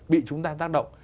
bị chúng ta tác động